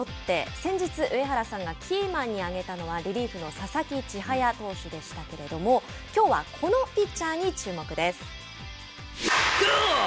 先日、上原さんがキーマンに挙げたのはリリーフの佐々木千隼投手でしたけれどもきょうはこのピッチャーに注目です。